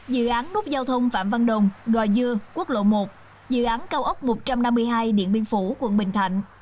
dự án nút giao thông phạm văn đồng gò dưa quốc lộ một dự án cao ốc một trăm năm mươi hai điện biên phủ quận bình thạnh